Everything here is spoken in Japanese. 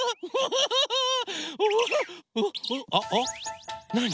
あっなに？